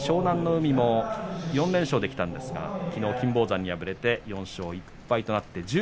海も４連勝できたんですがきのう金峰山に敗れて４勝１敗となっています。